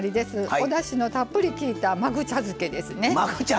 おだしのたっぷりきいたマグ茶漬けですね。